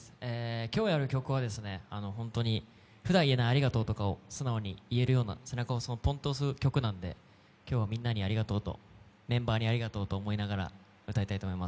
今日やる曲は本当にふだん言えないありがとうとか、素直に言えるような、背中をポンと押す曲なんで今日はみんなにありがとうとメンバーにありがとうという気持ちで歌います。